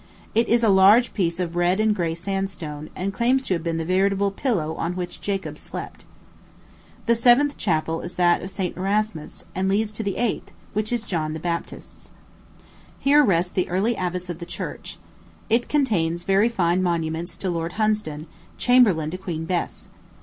It is a large piece of red and gray sandstone, and claims to have been the veritable pillow on which Jacob slept. The seventh chapel is that of St. Erasmus, and leads to the eighth, which is John the Baptist's. Here rest the early abbots of the church. It contains a very fine monument to Lord Hunsdon, chamberlain to Queen Bess.